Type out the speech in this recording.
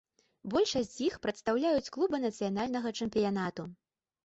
Большасць з іх прадстаўляюць клубы нацыянальнага чэмпіянату.